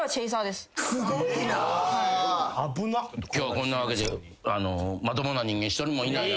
今日はこんなわけでまともな人間１人もいない中。